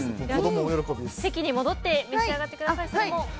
席に戻ってお召し上がりください。